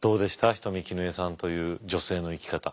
人見絹枝さんという女性の生き方。